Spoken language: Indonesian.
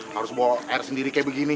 harus bawa air sendiri kayak begini